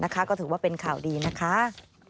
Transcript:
ก็ถือว่าเป็นข่าวดีนะคะ